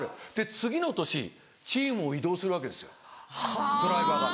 次の年チームを移動するわけですドライバーが。